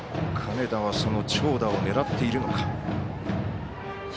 金田は長打を狙っているのか。